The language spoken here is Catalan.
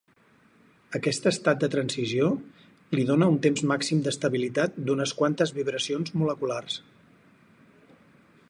Aquest estat de transició li dóna un temps màxim d'estabilitat d'unes quantes vibracions moleculars.